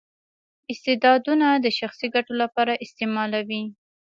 استعدادونه د شخصي ګټو لپاره استعمالوي.